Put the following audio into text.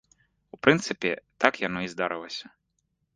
У прынцыпе, так яно і здарылася.